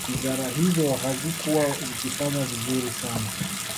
Wizara hizo hazikuwa zikifanya vizuri sana